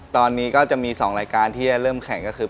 ตอนนี้ก็จะมี๒รายการที่จะเริ่มแข่งก็คือ